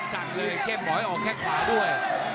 เข้มสั่งเลยเข้มบร้อยออกแค่ขวาด้วย